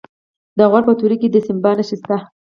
د غور په تیوره کې د سیماب نښې شته.